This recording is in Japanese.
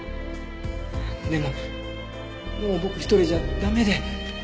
でももう僕一人じゃ駄目で。